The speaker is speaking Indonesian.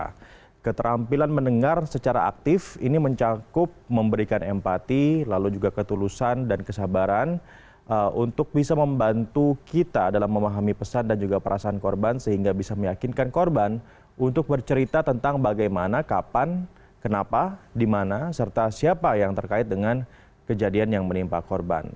nah keterampilan mendengar secara aktif ini mencakup memberikan empati lalu juga ketulusan dan kesabaran untuk bisa membantu kita dalam memahami pesan dan juga perasaan korban sehingga bisa meyakinkan korban untuk bercerita tentang bagaimana kapan kenapa di mana serta siapa yang terkait dengan kejadian yang menimpa korban